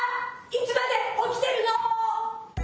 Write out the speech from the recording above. いつまでおきてるの！